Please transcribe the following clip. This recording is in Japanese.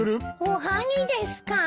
おはぎですか？